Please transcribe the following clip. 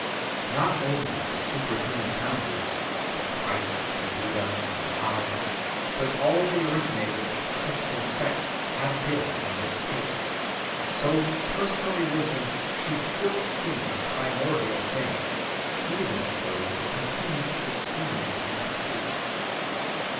Not only the superhuman founders, the Christ, the Buddha, Mahomet, but all the originators of Christian sects have been in this case;—so personal religion should still seem the primordial thing, even to those who continue to esteem it incomplete.